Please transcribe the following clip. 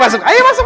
masuk masuk masuk